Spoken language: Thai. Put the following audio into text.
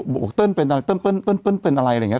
บอกบอกเติ้ลเป็นอะไรเติ้ลเติ้ลเติ้ลเป็นอะไรอะไรอย่างเงี้ย